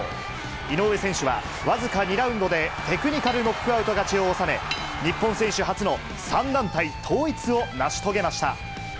井上選手は僅か２ラウンドでテクニカルノックアウト勝ちを収め、日本選手初の３団体統一を成し遂げました。